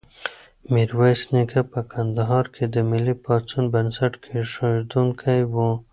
میرویس نیکه په کندهار کې د ملي پاڅون بنسټ ایښودونکی و.